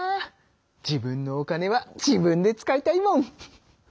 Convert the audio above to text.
自分のお金は自分で使いたいもん！